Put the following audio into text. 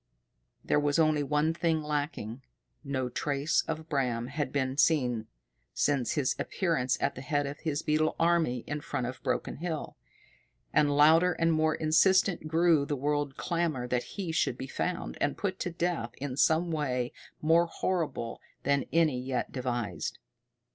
There was only one thing lacking. No trace of Bram had been seen since his appearance at the head of his beetle army in front of Broken Hill. And louder and more insistent grew the world clamor that he should be found, and put to death in some way more horrible than any yet devised.